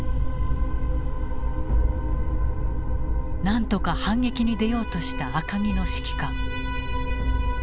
なんとか反撃に出ようとした赤城の指揮官。